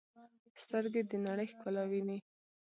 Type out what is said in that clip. سترګې د نړۍ ښکلا ویني.